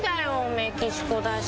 メキシコだし。